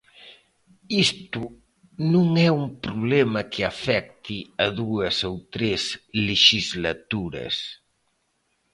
Isto non é un problema que afecte a dúas ou tres lexislaturas.